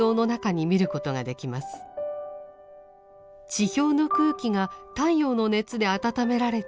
地表の空気が太陽の熱で温められて上昇。